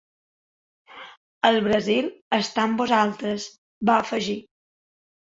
El Brasil està amb vosaltres, va afegir.